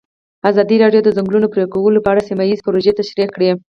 ازادي راډیو د د ځنګلونو پرېکول په اړه سیمه ییزې پروژې تشریح کړې.